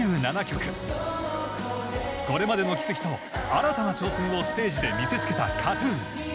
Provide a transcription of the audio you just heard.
これまでの軌跡と新たな挑戦をステージで見せつけたＫＡＴ−ＴＵＮ。